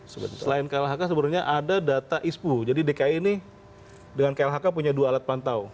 selain klhk sebenarnya ada data ispu jadi dki ini dengan klhk punya dua alat pantau